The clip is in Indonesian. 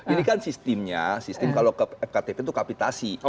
ini kan sistemnya sistem kalau ke fktp itu kapitasi